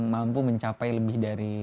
mampu mencapai lebih dari